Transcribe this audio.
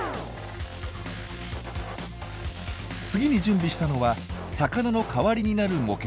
次に準備したのは魚の代わりになる模型。